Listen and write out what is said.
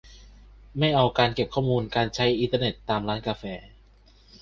ไม่เอาการเก็บข้อมูลการใช้อินเทอร์เน็ตตามร้านกาแฟ